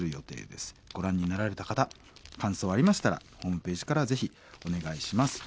ご覧になられた方感想ありましたらホームページからぜひお願いします。